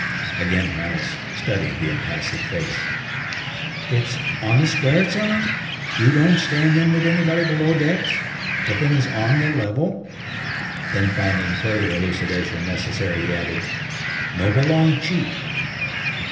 Again Reynolds studied the impassive face. "It's on the square, Tsang? You don't stand in with anybody below decks? The thing is on the level?" Then finding further elucidation necessary, he added, "No belong cheat!"